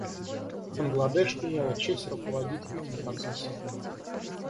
Бангладеш имела честь руководить этим процессом.